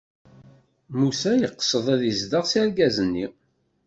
Musa yeqsed ad izdeɣ s argaz-nni.